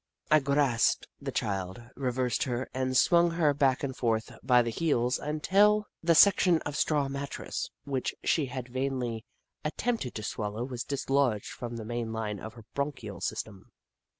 I grasped the child, reversed her, and swung her back and forth by the heels until the section of 6o The Book of Clever Beasts straw mattress which she had vainly attempted to swallow was dislodcjed from the main line of her bronchial system.